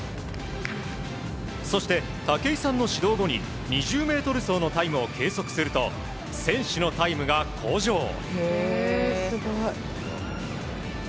そして、武井さんの指導後に２０ｍ走のタイムを計測すると選手のタイムが向上。